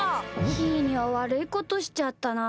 ひーにはわるいことしちゃったな。